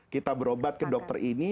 kita berobat ke dokter ini